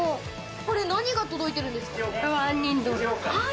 これ何が届いてるんですか？